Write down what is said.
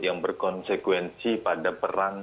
yang berkonsekuensi pada perang